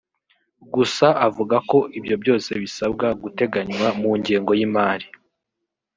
Gusa avuga ko ibyo byose bisabwa guteganywa mu ngengo y’imari